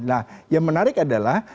nah yang menarik adalah